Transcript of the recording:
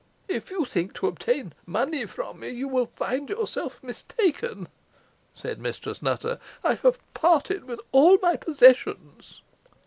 "If you think to obtain money from me, you will find yourself mistaken," said Mistress Nutter. "I have parted with all my possessions."